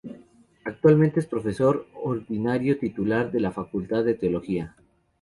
Actualmente es profesor ordinario titular de la Facultad de Teología.